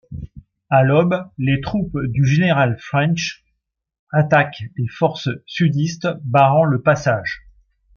À l'aube, les troupes du général French attaquent les forces sudistes barrant le passage.